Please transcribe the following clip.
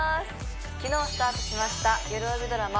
昨日スタートしましたよるおびドラマ「